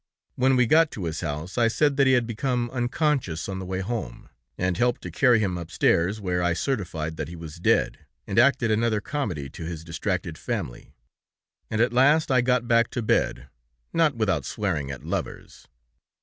When we got to his house, I said that he had become unconscious on the way home, and helped to carry him upstairs, where I certified that he was dead, and acted another comedy to his distracted family, and at last I got back to bed, not without swearing at lovers."